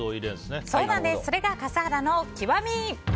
それが笠原の極み。